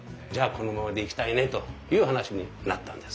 このままでいきたいねという話になったんです。